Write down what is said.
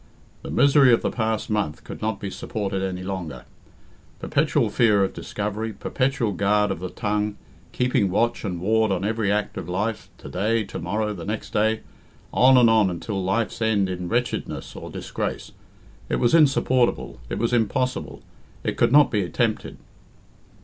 The misery of the past month could not be supported any longer. Perpetual fear of discovery, perpetual guard of the tongue, keeping watch and ward on every act of life to day, to morrow, the next day, on and on until life's end in wretchedness or disgrace it was insupportable, it was impossible, it could not be attempted.